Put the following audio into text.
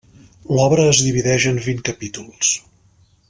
L'obra es divideix en vint capítols.